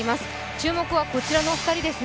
注目はこちらの２人です。